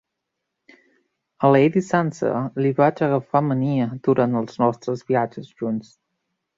A Lady Sansa li vaig agafar mania durant els nostres viatges junts.